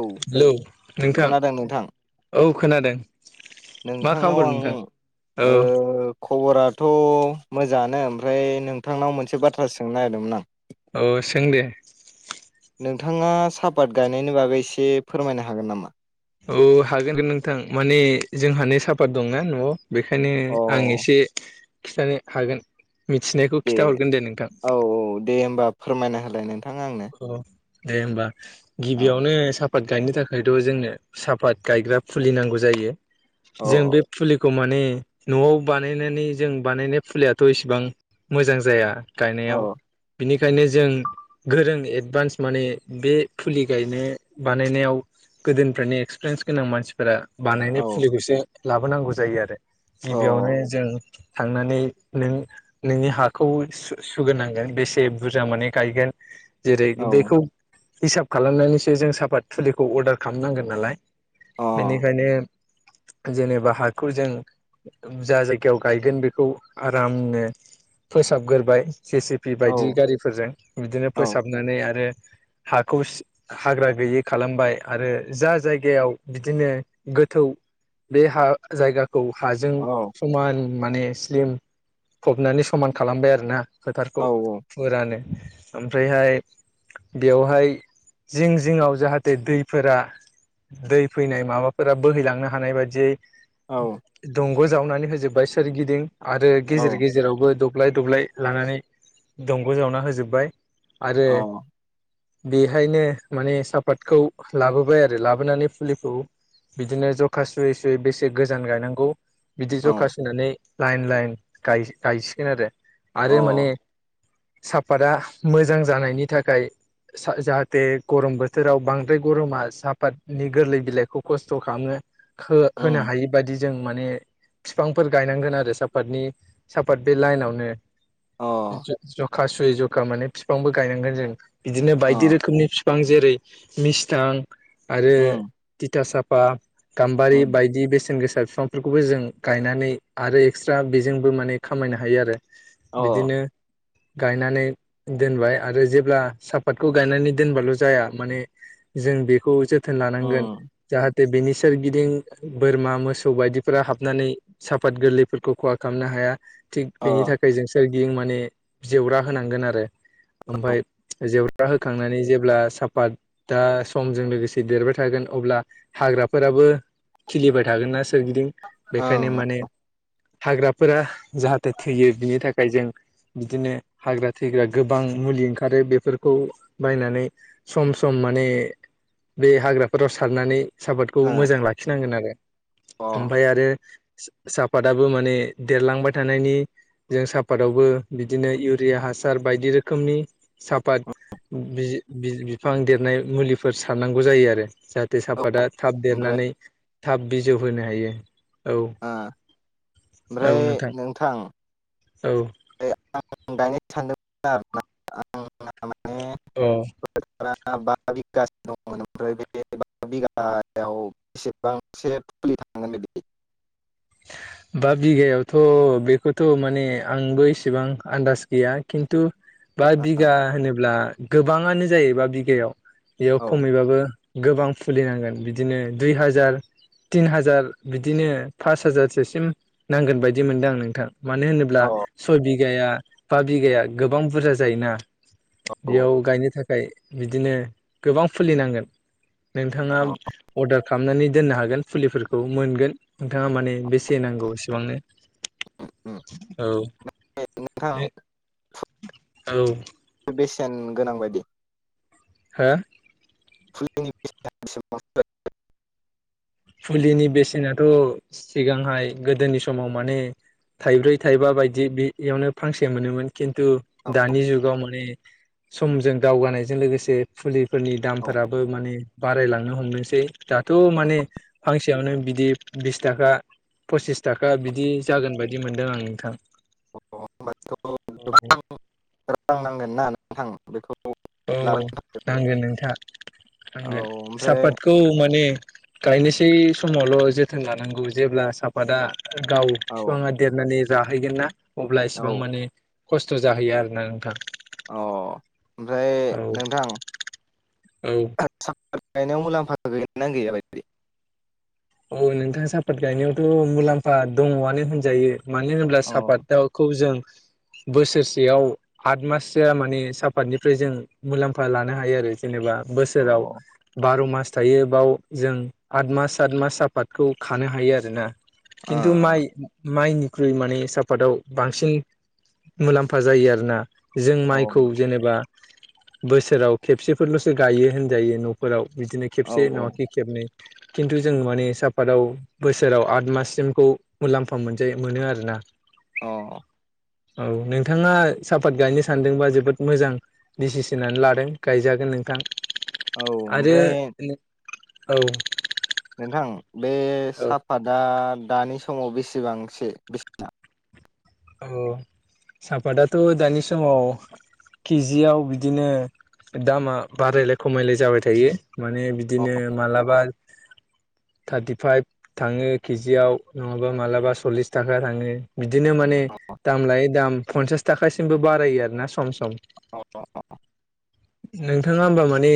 औ हेलौ नोंथां खोनादों नोंथां औ खोनादों मा नोंथांनाव खबर आं नोंथां औ ओह खबराथ' मोजाङानो ओमफ्राय नोंथांनाव मोनसे बाथ्रा सोंनो नागिरदोंमोन आं औ सों दे नोंथाङा सापात गायनायनि बागै एसे फोरमायनो हागोन नामा औ हागोन नोंथां माने जोंहानि साफात दंना न'आव बेखायनो अ आं एसे खिन्थानो हागोन मिथिनायखौ दे खिथाहरगोन दे नोंथां औ दे होमबा फोरमायना होलाय नोंथां औ दे होमबा औ गिबियावनो साफ सापात गायनो थाखायथ' जोंनो सापात गायग्रा फुलि नांगौ जायो जों औ बे फुलि खौ माने न'आव बानायनानै जों बानायनाय फुलिायथ' इसेबां मोजां जाया औ गायनायाव बिनिखायनो जों गोरों एडभान्स माने बे फुलि गायनो बानायनायाव । गोदोनिफ्रायनि एक्सपिरियेन्स गोनां मानसिफोरा बानायनाय औ फुलिखौसो लाबोनांगौ जायो आरो औ गिबियावनो जों थांनानै नों नोंनि हाखौ सु-सुग्रोनांगोन बेसे बुरजा माने गायगोन । जेरै औ बेखौ हिसाब खालामनानैसो जों साफात फुलिखौ अर्डार खालामनांगोन नालाय । अ बेनिखायनो जेनेबा हाखौ जों जा जायगायाव गायगोन बेखौ आरामनो फोसाबग्रोबाय जेसिपि औ बायदि गारिफोरजों बिदिनो औ फोसाबनानै आरो हाखौ सि हाग्रा गैयि खालामबाय आरो जा जायगायाव बिदिनो गो गोथौ बे हा जायगा खौ हाजों समान माने स्लिम फबनानै समान खालामबाय आरोना । औ फोथारखौ फोरानो ओमफ्रायहाय बेवहाय जिं जिङाआव जाहाथे दैफोरा दै फैनाय माबाफोरा बोहैलांनो हानाय बादियै दंग' जावनानै होजोबबाय सोरगिदिं आरो गेजेर औ गेजेरावबो द ब्लाय दब्लाय लानानै दंग' जावना होजोब्बाय आरो औ औ बेहायनो माने सापातखौ लाबोबाय आरो लाबोनानै फुलिखौ बिदिनो जखा सुयै सुयै बेसे गोजान गायनांगौ बिदि जखा सुनानै लाइन लाइन गाय गायसिगोन आरो । आरो माने अ साफादा मोजां जानायनि थाखाय जाहाथे गरम बोथोराव बांद्राय गरमा साहापादनि गोरलै बिलाइखौ खस्थ' खालामो हो होनो उम हायि बायदि जों माने फिफांफोर गायनांगोन आरो सापातनि साफात बे लाइनावनो अ जखा सुयै जखा माने बिफांबो गायनांगोन जों बिदिनो बायदि अ रोखोमनि बिफां जेरै मिस्थां आरो उम थिथा साफा गाम्बारि उम बायदि बेसेन गोसा फिसा बिफांफोरखौबो जों गायनानै आरो एक्सट्रा बेजोंबो माने खामायनो हायो आरो। अ बिदिनो गायनानै दोनबाय आरो जेब्ला सापातखौ गायनानै दोनबाल' जाया माने जों बेखौ जो थोन लानांगोन उम जाहा थे बेनि सोरगिदिं बोरमा मोसौ बायदिफोरा हाबनानै साफात गोरलैफोरखौ खहा खालामनो हाया थिग बेनि अ थाखाय जों सोरगिदिं माने जेवरा होनांगोन आरो। [inaudible] ओमफ्राय जेवरा होखांनानै जेब्ला साफातदा समजों लोगोसे देरबाय थागोन अ ब्ला हाग्राफोराबो खिलिबाय थागोन ना सोरगिदिं बेखायनो ओं माने हाग्राफोरा जाहाथे थैयो बिनि थाखाय जों बिदिनो हाग्रा थैग्रा गोबां मुलि ओंखारो बेफोरखौ बायनानै सम सम माने बे हाग्राफोराव सारनानै सापर्टखौ ओ अ मोजां लाखिनांगोन आरो औ ओमफ्राय आरो साफादाबो माने देरलांबाय थानायनि जों साफादावबो बिदिनो इउरिया हासार बायदि रोखोमनि साफात बि-बि-बिफां देरनाय मुलिफोर सारनांगौ जायो आरो। जाहाथे साफाादा थाब ओमफ्राय देरनानै थाब बिजौ होनो हायो। औ आ ओमफ्राय नोंथां औ आं गायनो सानदोंमोन आरो ना अ आं [unintelligible] बे [unintelligible] बिगायाव बेसेबांसो फुलि थानांगोन बिदि बा बिगायावथ' बेखौथ' माने आंबो इसेबां आन्दास गैया खिन्थु बा औ बिगा होनोब्ला गोबाङानो जायो बा बिगायाव बेयाव औ खमैबाबो गोबां फुलिनांगोन बिदिनो दुइ हाजार तिन हाजार बिदिनो फास हाजारसोसिम नांगोन बायदि मोनदों आं नोंथां मानो होनोब्ला औ सय बि बिघा बा बिघा गोबां बुरजा जायोना बेयाव गायनो थाखाय थाखाय बिदिनो गोबां फुलि नांगोन नोंथाङा औ अर्डार खालामनानै दोननो हागोन फुलिफोरखौ मोनगोन नोंथाङा माने बेसे नांगौ एसेबांनो। [inaudible] औ नोंथां औ बेसेन गोनां बायदि हा? [unintelligible] फुलिनि बेसेनाथ' सिगांहाय गोदोनि समाव माने थाइब्रै थाइबा बायदि बेयावनो फांसे मोनोमोन खिन्थु दानि जुगाव माने समजों दावगानायजों लोगोसे फुलि फोरनि औ दामफोराबो माने बारायलांनो हमनोसै दाथ' माने फांसेयावनो बिदि बिस थाखा पसिस थाखा बिदि जागोन बायदि मोनदों आं नोंथां। [unintelligible] नोंथां बेखौ औ लाबोनो थाखायबो नांगोन नोंथां औ नांगोन ओमफ्राय साहापातखौ माने गायनोसै समावल' जोथोन लानांगौ जेब्ला साफादा गाव औ फिफाङा देरनानै जाहैगोन ना अब्ला इसिबां औ माने खस्थ' जाहैयो आरोना नोंथां। अ ओमफ्राय औ नोंथां औ [unintelligible] गायनायाव मुलाम्फा गैयाना गैयाबायदि? औ नोंथाङा सापात गायनायावथ' मुलाम्फा दङआनो होनजायो। मानो होनब्ला अ सापात दाउखौ जों [inaudible] बोसोरसेयाव आद माससोआ माने साफातनिफ्राय जों मुलाम्फा लानो हायो आरो जेनेबा औ बोसोराव बार' मास थायो बाव जों आठ मास सात मास आपाादखौ खानो हायो आरोना खिन्थु माइ माइनि ख्रुइ माने साफातआव बांसिन मुलाम्फा जायो आरोना जों ओ माइखौ जेनेबा बोसोराव खेबसेफोरल'सो गायो होनजायो न'फोराव बिदिनो औ खेबसे औ नङाखि खेबनै खिन्थु जों माने सापाताव बोसोराव आद माससिमखौ मुलाम्फा मोनजायो मोनो आरोना अ औ नोंथाङा सापात गायनो सानदोंबा जोबोद मोजां डिसिसननानै लादों गायजागोन। नोंथां। औ आरो ओमफ्राय औ। नोंथां बे औ साफादा दानि सम समाव बेसेबांसो बेसेना? औ सापाताथ' दानि समाव किजियाव बिदिनो दामा बारायलाय खमायलाय जाबाय थायो। माने औ बिदिनो मालाबा [inaudible] थार्टिफाइभ थाङो किजियाव नङाबा मालाबा सल्लिस थाखा थाङो बिदिनो माने दाम लायो दाम पन्सास थाखासिमबो बारायो आरो ना सम सम। अ। नोंथाङा होमबा माने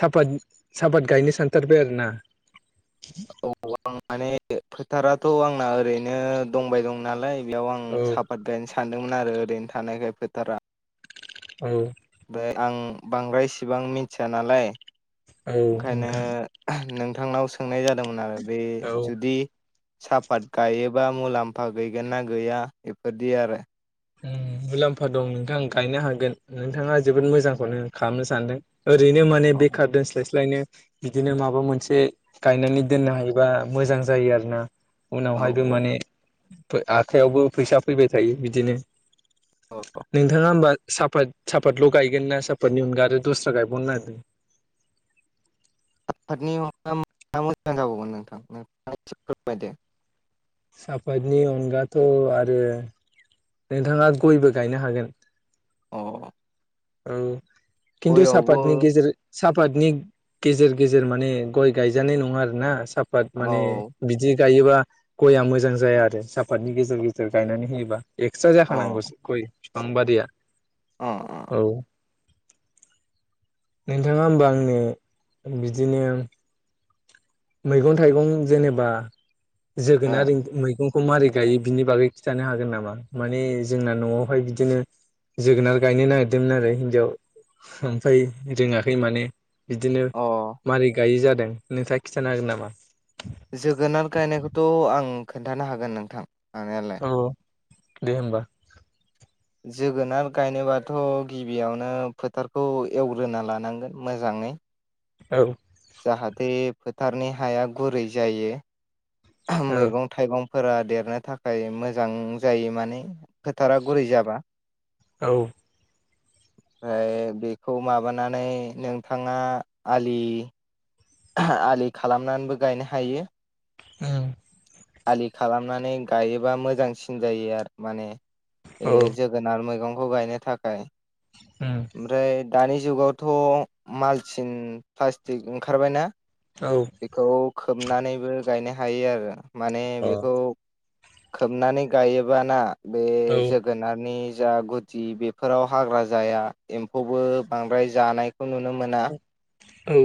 साफत साफात गायनो सानथारबाय आरोना? औ आं माने फोथाराथ' आंना ओरैनो दंबाय दं नालाय बेयाव आं औ साफात गायनो सानदोंमोन आरो ओरैनो थानायखाय फोथारा। औ। ओमफ्राय आं बांद्रायसेबां मिथिया नालाय औ ओंखायनो नोंथां नोंथांनाव सोंनाय जादोंमोन आरो बे औ जुदि साफात गायोबा मुलाम्फा गैगोन ना गैया बेफोरदि आरो। मुलाम्फा दं नोंथां गायनो हागोन नोंथाङा जोबोद मोजांखौनो खालामनो सानदों। ओरैनो माने औ बेखार दोनस्लायस्लायनो बिदिनो माबा मोनसे गायनानै दोननो हायोबा मोजां जायो आरो ना। औ उनावहायबो माने आखायावबो फैसा फैबाय थायो बिदिनो। औ नोंथाङा होमबा साफात साफातल' गायगोन ना साफातनि अनगा आरो दस्रा गायबावनो नागिरदों? आफादनि मोजां जाबौमोन नोंथां नोंथा फोरमायदो [unintelligible] साफातनि अनगाथ' आरो नोंथाङा गयबो गायनो हागोन। अ। औ खिन्थु गयावबो सापातनि गेजेर सापातनि गेजेर गेजेर माने गय गायजानाय नङा आरोना साफात माने औ बिदि गायोबा गया मोजां जाया आरो साफातनि गेजेर गेजेर गायनानै होयोबा। एक्सट्रा जाखा नांगौ गय फिफां बारिया। अ अ। औ। नोंथाङा होमबा आंनि बिदिनो मैगं-थाइगं जेनेबा अ जोगोनार मैगं खौ मारै गायो बिनि बागै खिन्थानो हागोन नामा माने जोंना न'आवहाय बिदिनो जोगोनार गायनो नागिरदोंमोन आरो हिन्जाव, ओमफ्राय रोङाखै माने। बिदिनो अ मारै गायो जादों। नोंथाङा खिथानो हागोन नामा? जोगोनार गायनायखौथ' आं खोन्थानो हागोन नोंथां हानायालाय। औ दे होमबा। जोगोनार गायनोबाथ' गिबियावनो फोथारखौ एवग्रोना लानांगोन मोजां ङै। औ। जाहाथे फोथारनि हाया गुरै जायो। औ मैगं थाइगं फोरा देरनो थाखाय मोजां जायो माने फोथारा गुरै जाबा। औ। ओमफ्राय बेखौ माबानानै नोंथाङा आलि आलि खालामनानैबो गायनो हायो। औ। आलि खालामनानै गायोबा मोजांसिन जायो आरो माने। बे औ जोगोनार मैगंखौ गायनो थाखाय। उम ओमफ्राय दानि जुगावथ' मालसिन प्लासटिक ओंखारबायना। औ बेखौ खोबनानैबो गायनो हायो आरो। माने अ बेखौ खोबनानै गायोबाना बे औ जोगोनारनि जा गुदि बेफोराव हाग्रा जाया एम्फौबो बांद्राय जानाय खौ नुनो मोना। औ।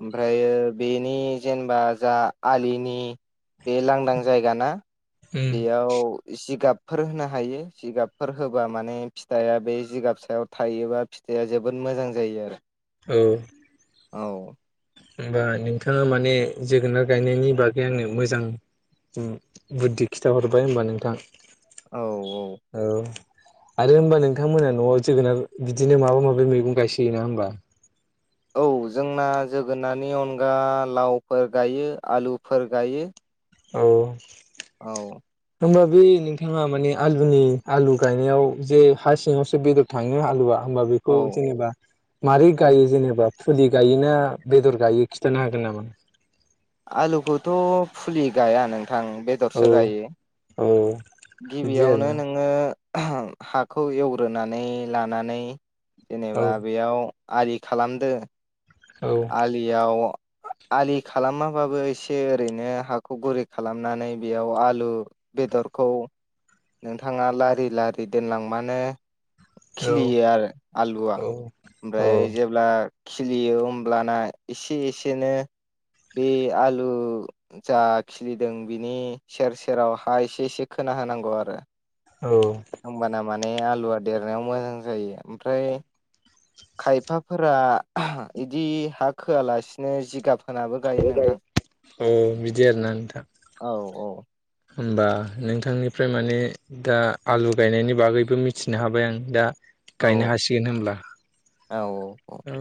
ओमफ्रायो बेनि जेनेबा जा आलिनि बे लांदां जायगा ना उम बेयाव जिगाब फोर होनो हायो। जिगाबफोर होबा माने फिथाइआ बे जिगाब सायाव थायोबा फिथाइआ जोबोद मो मोजां जायो आरो। औ। औ होम्बा नोंथाङा माने जोगोनार गायनायनि बागै आंनो मोजां बुद्धि खिथाहरबाय होमबा नोंथां। औ-औ औ आरो होम्बा नोंथांमोना न'आव जोगोनार बिदिनो माबा माबि मैगं गायसोयो नामा होमबा? औ जोंना जोगोनारनि अनगा लावफोर गायो आलुफोर गायो। औ औ होमबा बे नोंथाङा माने आलुनि आलु गायनायाव जे हा सिङावसो बेदर थाङो आलुआ होम्बा बेखौ औ जेनेबा मारै गायो जेनेबा फुलि गायोना बेदर गायो खिथानो हागोन नामा? आलुखौथ' फुलि गाया नोंथां औ बेदरसो गायो। औ बिदि गिबियावनो आरोना नोङो हाखौ एवग्रोनानै लानानै औ जेनेबा बेयाव आलि खालामदो औ आलियाव आलि खालामाबाबो एसे ओरैनो हाखौ गुरि खालामनानै बेयाव आलु बेदरखौ नोंथाङा लारि लारि दोनलांबानो औ खिलियो आरो आलुआ औ औ ओमफ्राय जेब्ला खिलियो अब्लाना एसे एसेनो बे आलु जा खिलिदों बिनि सेर सेराव हा एसे एसे खो ना होनांगौ आरो औ होम्बाना माने आलुआ देरनायाव मोजां जायो। ओमफ्राय खायफाफोरा इदि हा खोआलासिनो जिगाब होनाबो गायो नोंथां [unintelligible] बिदि आरोना नोंथां। औ होमबा नोंथांनिफ्राय माने दा आलु गायनायनि बागैबो मिथिनो हाबाय आं दा। औ गायनो हासिगोन होनब्ला औ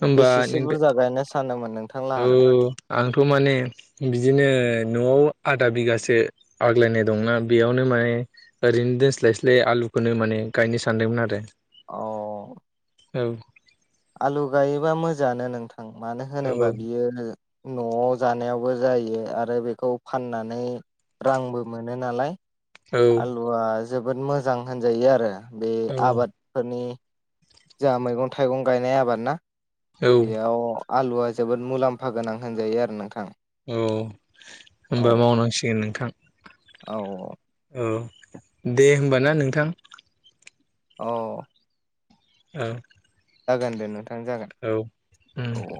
होमबा बेसेसो [unintelligible] बुरजा गायनो सानदोंमोन नोंथां औ लाहालाय आंथ' माने बिदिनो न'आव आधा बिगासो आग्लायनाय दंना बेयावनो माने ओरैनो दोनस्लायस्लाय आलुखौनो माने गायनो सानदोंमोन आरो औ औ आलु गायोबा मोजाङानो नोंथां मानो होनोबा बियो न'आव जानायावबो जायो आरो बेखौ फाननानै रांबो मोनो नालाय औ आलुआ जोबोद मोजां होनजायो आरो बे औ आबादफोरनि जोंहा मैगं थाइगं गायनाय आबाद ना औ बेयाव आलुआ जोबोद मुलाम्फा गोनां होनजायो आरो नोंथां औ औ होनबा मावनांसिगोन नोंथां औ औ दे होमब ना नोंथां औ औ जागोन दे नोंथां जागोन औ उम औ-औ